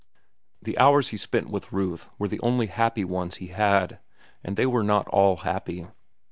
The hours he spent with Ruth were the only happy ones he had, and they were not all happy.